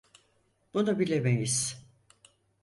Bunu bilemeyiz.